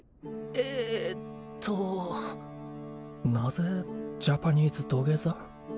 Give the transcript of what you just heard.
えっとなぜジャパニーズ土下座？